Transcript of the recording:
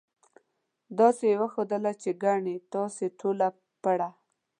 داسې یې ښودله چې ګنې تاسې ټوله پړه.